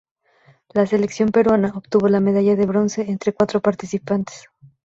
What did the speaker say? La selección peruana obtuvo la medalla de bronce entre cuatro participantes.